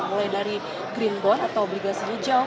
mulai dari green bond atau obligasinya jauh